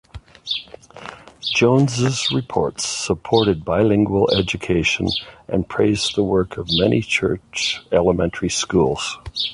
Jones's reports supported bilingual education and praised the work of many church elementary schools.